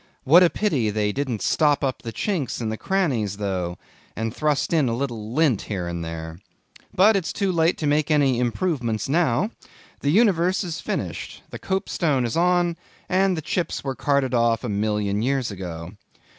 What a pity they didn't stop up the chinks and the crannies though, and thrust in a little lint here and there. But it's too late to make any improvements now. The universe is finished; the copestone is on, and the chips were carted off a million years ago.